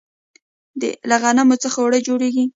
له غنمو څخه اوړه جوړیږي.